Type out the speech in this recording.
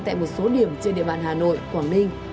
tại một số điểm trên địa bàn hà nội quảng ninh